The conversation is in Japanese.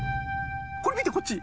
これ見てこっち。